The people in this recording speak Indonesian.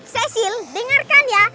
cecil dengarkan ya